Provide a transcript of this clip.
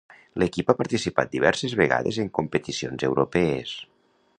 L'equip ha participat diverses vegades en competicions europees.